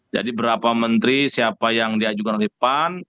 jadi berapa menteri siapa yang diajukan oleh pan